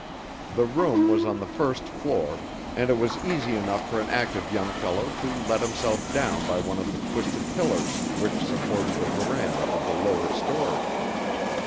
The room was on the first floor, and it was easy enough for an active young fellow to let himself down by one of the twisted pillars which supported the verandah of the lower storey.